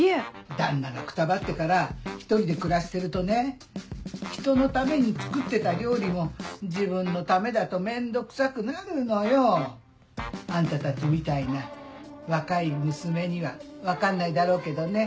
旦那がくたばってから１人で暮らしてるとねひとのために作ってた料理も自分のためだと面倒くさくなるのよ。あんたたちみたいな若い娘には分かんないだろうけどね。